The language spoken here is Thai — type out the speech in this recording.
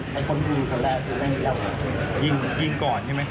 ทั้งหมดที่ยิงสามนักนั่นยิงได้หนักเดียว